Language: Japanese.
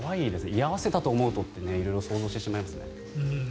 居合わせたらと思うと色々想像してしまいますね。